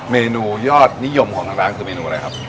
เมนูยอดนิยมของทางร้านคือเมนูอะไรครับ